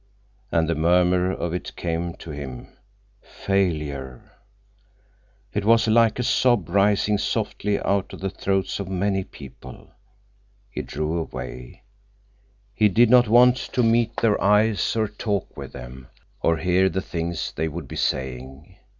And the murmur of it came to him—failure! It was like a sob rising softly out of the throats of many people. He drew away. He did not want to meet their eyes, or talk with them, or hear the things they would be saying.